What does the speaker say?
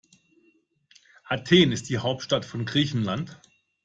Athen ist die Hauptstadt von Griechenland.